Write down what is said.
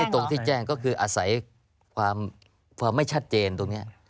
ตรงที่แจ้งก็คืออาศัยความไม่ชัดเจนตรงนี้